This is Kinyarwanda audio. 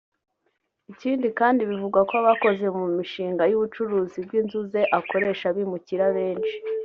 Ikindi kandi bivugwa ko abakoze mu mu mishinga y’ubucuruzi bw’inzu ze akoresha abimukira benshi